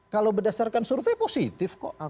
kalau berdasarkan survei positif kok